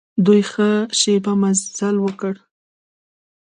دوی ښه شېبه مزل وکړ.